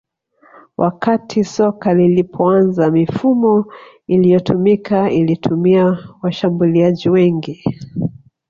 Wakati soka lilipoanza mifumo iliyotumika ilitumia washambuliaji wengi